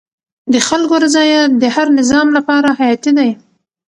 د خلکو رضایت د هر نظام لپاره حیاتي دی